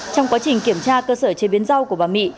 trong quá trình kiểm tra cơ sở chế biến rau của bà mị